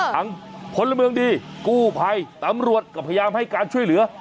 พลเมืองดีกู้ภัยตำรวจก็พยายามให้การช่วยเหลือ